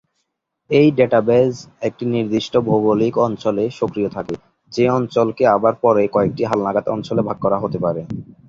এই ডেটাবেজ একটা নির্দিষ্ট ভৌগোলিক অঞ্চলে সক্রিয় থাকে, যে অঞ্চলকে আবার পরে কয়েকটি হালনাগাদ অঞ্চলে ভাগ করা হতে পারে।